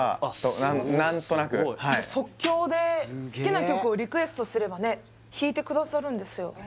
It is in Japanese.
即興で好きな曲をリクエストすればね弾いてくださるんですよ